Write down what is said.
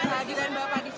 bapak angin bapak